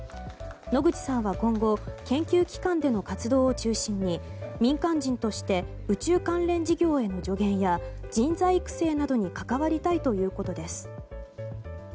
野口さんは今後研究機関での活動を中心に民間人として宇宙関連事業への助言や人材育成などに関わりたいということです。